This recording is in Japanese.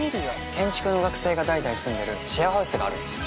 建築の学生が代々住んでるシェアハウスがあるんですよ